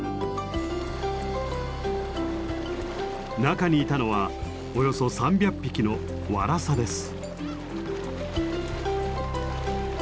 中にいたのはおよそ３００匹のワラサです。